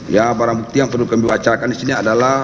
ya barang bukti yang perlu dibacakan disini adalah